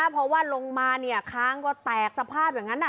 เพราะว่าลงมาเนี่ยค้างก็แตกสภาพอย่างนั้น